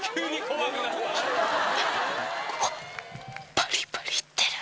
バリバリいってる！